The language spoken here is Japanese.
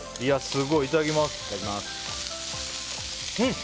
すごい、いただきます。